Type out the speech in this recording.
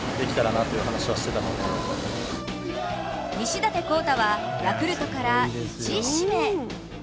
西舘昂汰はヤクルトから１位指名。